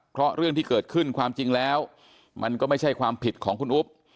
เพราะเรื่องที่เกิดขึ้นความจริงแล้วมันก็ไม่ใช่ความผิดของคุณอุ๊บ